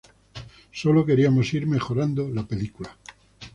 Sólo queríamos ir mejorando la película.